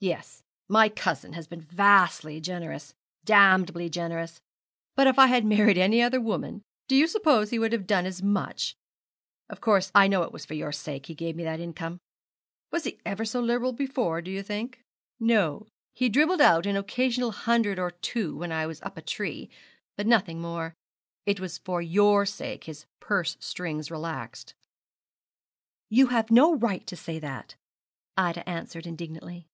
'Yes, my cousin has been vastly generous damnably generous; but if I had married any other woman, do you suppose he would have done as much? Of course, I know it was for your sake he gave me that income. Was he ever so liberal before, do you think? No, he dribbled out an occasional hundred or two when I was up a tree, but nothing more. It was for your sake his purse strings relaxed.' 'You have no right to say that,' Ida answered indignantly.